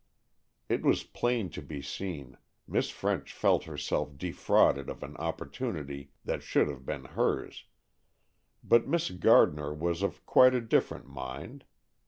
It was plain to be seen, Miss French felt herself defrauded of an opportunity that should have been hers, but Miss Gardner was of quite a different mind.